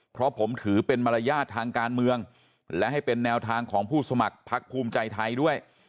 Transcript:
เพราะผมถือเป็นมารยาททางการเมืองและให้เป็นแนวทางของผู้สมัครพักภูมิใจไทยด้วย